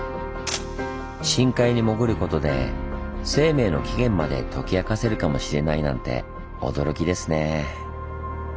深海に潜ることで生命の起源まで解き明かせるかもしれないなんて驚きですねぇ。